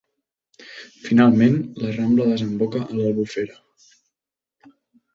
Finalment la rambla desemboca a l'Albufera.